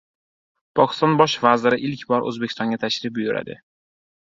Pokiston bosh vaziri ilk bor O‘zbekistonga tashrif buyuradi